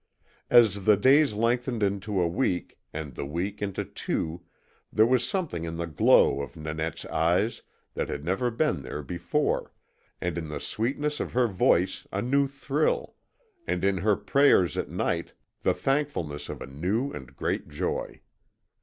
As the days lengthened into a week, and the week into two, there was something in the glow of Nanette's eyes that had never been there before, and in the sweetness of her voice a new thrill, and in her prayers at night the thankfulness of a new and great joy.